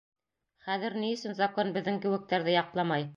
Хәҙер ни өсөн закон беҙҙең кеүектәрҙе яҡламай?